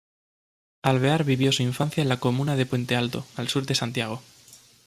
Alvear vivió su infancia en la comuna de Puente Alto, al sur de Santiago.